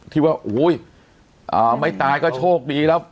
ที่ว่าอุ้ยไม่ตายก็โชคดีแล้ว